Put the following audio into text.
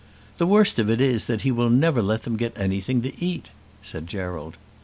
"The worst of it is that he never will let them get anything to eat," said Gerald.